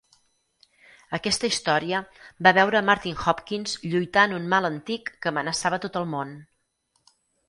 Aquesta història va veure a Martin Hopkins lluitant un mal antic que amenaçava tot el món.